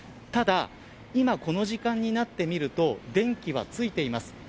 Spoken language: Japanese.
ただ、今この時間になってみると電気はついています。